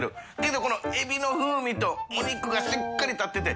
韻このエビの風味とお肉がしっかり立ってて。